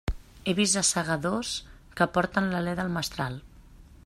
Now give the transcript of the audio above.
He vist assagadors que porten l'alé del mestral.